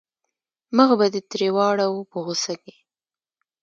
مخ به یې ترې واړاوه په غوسه کې.